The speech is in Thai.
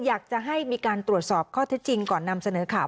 อยากจะให้มีการตรวจสอบข้อเท็จจริงก่อนนำเสนอข่าว